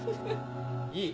いい。